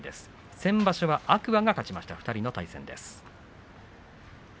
先場所は、天空海が勝ちました２人の対戦です。